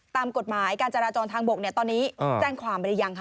ตามกฎหมายการจราจรทางบกตอนนี้แจ้งความไปหรือยังคะ